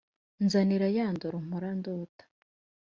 nzanira ya ndoro mpora ndota